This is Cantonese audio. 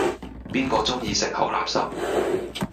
邊個鐘意食口立濕